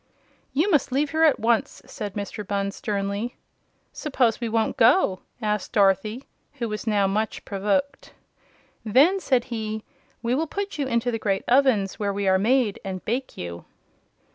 "You must leave here at once!" said Mr. Bunn, sternly. "Suppose we won't go?" said Dorothy, who was now much provoked. "Then," said he, "we will put you into the great ovens where we are made, and bake you."